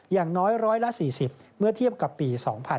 อย่างน้อย๑๔๐เมื่อเทียบกับปี๒๕๕๙